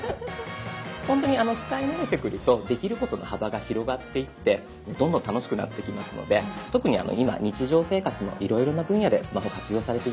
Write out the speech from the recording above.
ほんとに使い慣れてくるとできることの幅が広がっていってどんどん楽しくなってきますので特に今日常生活のいろいろな分野でスマホ活用されています。